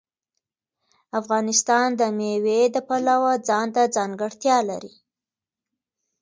افغانستان د مېوې د پلوه ځانته ځانګړتیا لري.